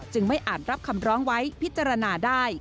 ไม่อาจรับคำร้องไว้พิจารณาได้